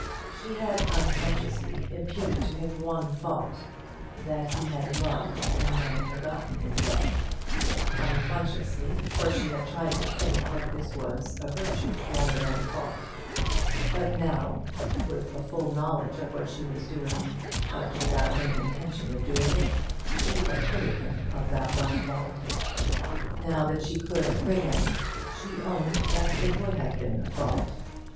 She had, unconsciously, imputed to him one fault, that he had loved and then forgotten his love; unconsciously, for she had tried to think that this was a virtue rather than a fault; but now, with a full knowledge of what she was doing, but without any intention of doing it, she acquitted him of that one fault. Now that she could acquit him, she owned that it would have been a fault.